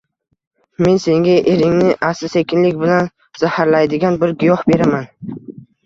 Men senga eringni asta-sekinlik bilan zaharlaydigan bir giyoh beraman